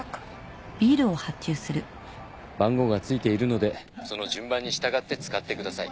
番号がついているのでその順番に従って使ってください。